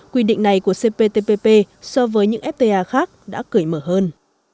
quy định này của cptpp so với những fta khác đã cởi mở hơn